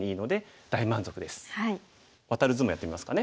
ワタる図もやってみますかね。